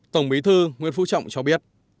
tổng bí thư nguyễn phú trọng cho biết